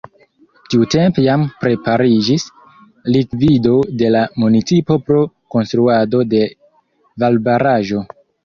Tiutempe jam prepariĝis likvido de la municipo pro konstruado de valbaraĵo.